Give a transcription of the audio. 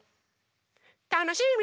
たのしみ！